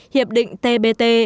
hiệp định tbt